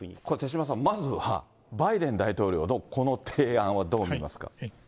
これ、手嶋さん、バイデン大統領のこの提案はどう見ますか。